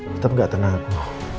tetep enggak tenang aku